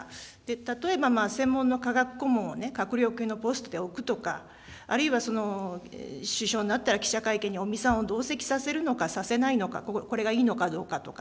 例えば、専門の科学顧問を閣僚級のポストに置くとか、あるいは、首相になったら記者会見に尾身さんを同席させるのか、させないのか、これがいいのかどうかとか。